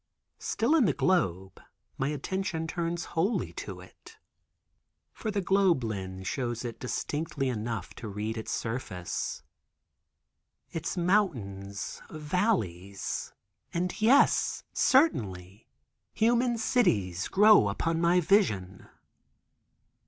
Still in the globe, my attention turns wholly to it, for the globe lense shows it distinctly enough to read its surface. Its mountains, valleys, and—yes, certainly, human cities grow upon my vision.